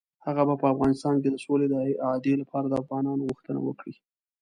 هغه به په افغانستان کې د سولې د اعادې لپاره د افغانانو غوښتنه وکړي.